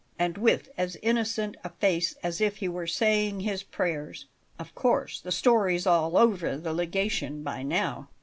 And with as innocent a face as if he were saying his prayers! Of course the story's all over the Legation by now.